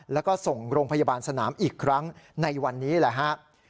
แล้วก็ส่งโรงพยาบาลสนามอีกครั้งในวันนี้แหละฮะ